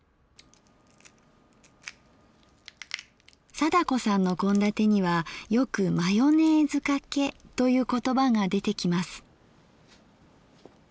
貞子さんの献立にはよく「マヨネーズかけ」という言葉が出てきます。